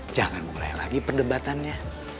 jangan mulai lagi pendebatannya